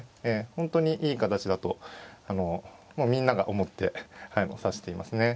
本当にいい形だとみんなが思って指していますね。